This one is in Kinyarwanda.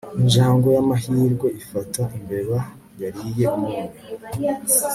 injangwe y'amahirwe ifata imbeba yariye umunyu